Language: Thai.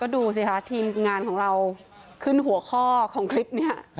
ดูสิค่ะทีมงานของเราขึ้นหัวข้อของคลิปนี้